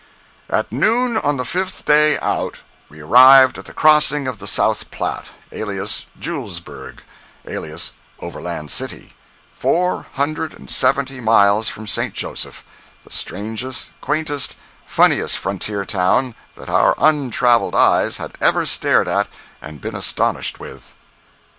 At noon on the fifth day out, we arrived at the "Crossing of the South Platte," alias "Julesburg," alias "Overland City," four hundred and seventy miles from St. Joseph—the strangest, quaintest, funniest frontier town that our untraveled eyes had ever stared at and been astonished with.